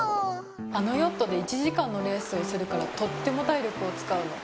あのヨットで１時間のレースをするからとっても体力を使うの。